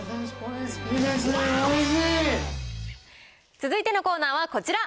続いてのコーナーはこちら。